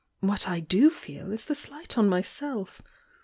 What I do feel is the slight on myself!